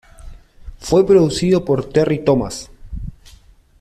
Fue producido por Terry Thomas.